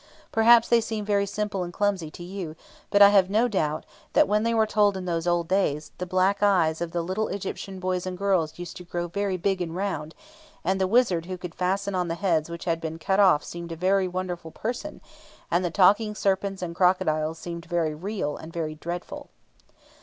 Perhaps they seem very simple and clumsy to you; but I have no doubt that, when they were told in those old days, the black eyes of the little Egyptian boys and girls used to grow very big and round, and the wizard who could fasten on heads which had been cut off seemed a very wonderful person, and the talking serpents and crocodiles seemed very real and very dreadful.